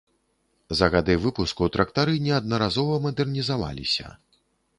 За гады выпуску трактары неаднаразова мадэрнізаваліся.